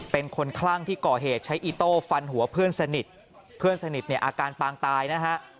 เป็นคนคลั่งที่ก่อเหตุใช้อีโต้ฟันหัวเพื่อนสนิทเพื่อนสนิทเนี่ยอาการปางตายนะฮะ